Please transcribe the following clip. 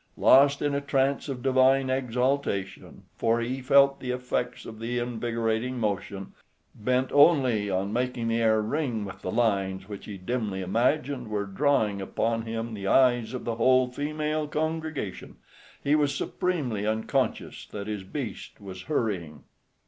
Lost in a trance of divine exaltation, for he felt the effects of the invigorating motion, bent only on making the air ring with the lines which he dimly imagined were drawing upon him the eyes of the whole female congregation, he was supremely unconscious that his beast was hurrying.